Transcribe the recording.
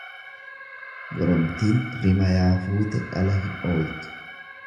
Goromtiin rimayaa fuute dhala hin ooltu.